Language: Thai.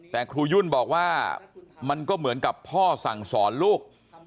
แต่ครูยุ่นบอกว่ามันก็เหมือนกับพ่อสั่งสอนลูก